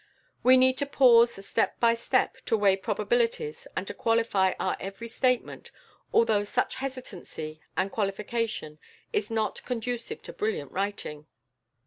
We need to pause step by step to weigh probabilities and to qualify our every statement, although such hesitancy and qualification is not conducive to brilliant writing.